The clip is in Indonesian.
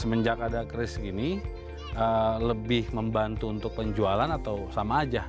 semenjak ada kris gini lebih membantu untuk penjualan atau sama aja